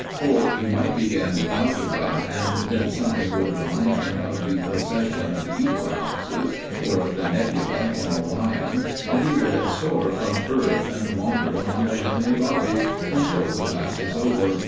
Or he might begin with algebra and then something would remind him of the procession of the equinoxes, or the nebula in Orion, and he would soar from earth and wander among the heavenly bodies until the class was over.